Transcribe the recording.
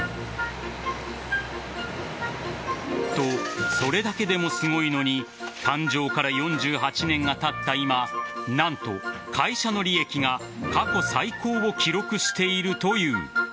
と、それだけでもすごいのに誕生から４８年がたった今何と、会社の利益が過去最高を記録しているという。